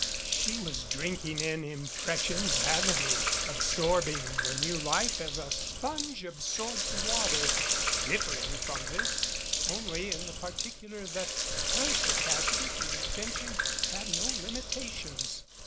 She was drinking in impressions avidly, absorbing the new life as a sponge absorbs water, differing from this only in the particular that her capac ity for retention had no limitations.